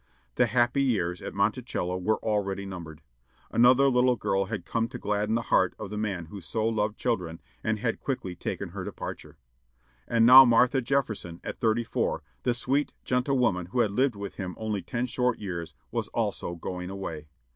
The "happy years" at Monticello were already numbered. Another little girl had come to gladden the heart of the man who so loved children, and had quickly taken her departure. And now Martha Jefferson, at thirty four, the sweet, gentle woman who had lived with him only ten short years, was also going away.